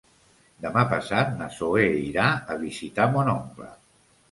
Demà passat na Zoè irà a visitar mon oncle.